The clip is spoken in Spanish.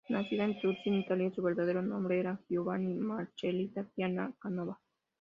Nacida en Turín, Italia, su verdadero nombre era Giovanna Margherita Piana-Canova.